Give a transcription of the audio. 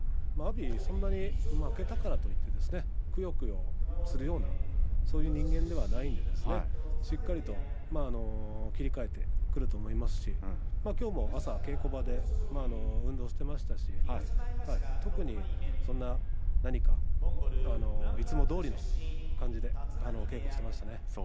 負けたからといってくよくよするようなそういう人間ではないんでしっかりと切り替えてくると思いますしきょうも朝から稽古場で運動をしていましたし特にそんな何かいつもどおりの感じで稽古をしていました。